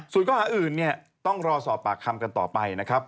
ส่วนข้อหาอื่นเนี่ยต้องรอสอบปากคำกันต่อไปนะครับ